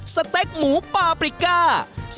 สเต็กหมูปาปริก้า